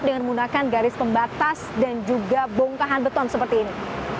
dengan menggunakan garis pembatas dan juga bongkahan beton seperti ini